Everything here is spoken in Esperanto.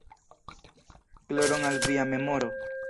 Gloron al via memoro!".